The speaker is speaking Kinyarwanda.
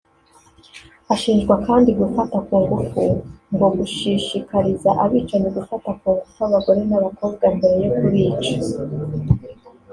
Ashinjwa kandi gufata ku ngufu ngo gushishikariza abicanyi gufata ku ngufu abagore n’abakobwa mbere yo kubica